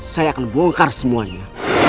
saya akan bongkar semuanya